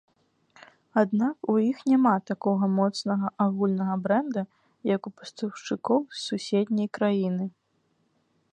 Аднак у іх няма такога моцнага агульнага брэнда, як у пастаўшчыкоў з суседняй краіны.